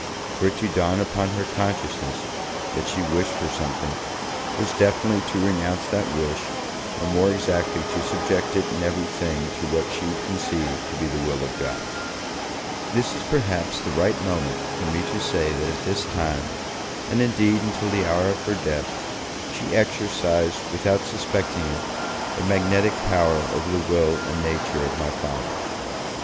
For it to dawn upon her consciousness that she wished for something, was definitely to renounce that wish, or, more exactly, to subject it in every thing to what she conceived to be the will of God. This is perhaps the right moment for me to say that at this time, and indeed until the hour of her death, she exercised, without suspecting it, a magnetic power over the will and nature of my Father.